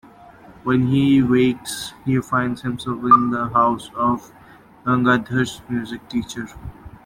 When he awakes, he finds himself in the house of Gangadhar's music teacher.